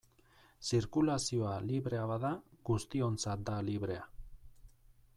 Zirkulazioa librea bada, guztiontzat da librea.